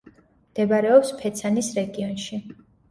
მდებარეობს ფეცანის რეგიონში.